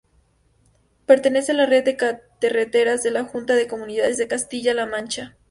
Pertenece a la Red de Carreteras de la Junta de Comunidades de Castilla-La Mancha.